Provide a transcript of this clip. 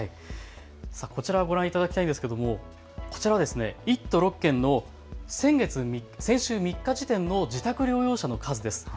こちらご覧いただきたいんですけれどもこちらは１都６県の先週３日時点の自宅療養者の数です。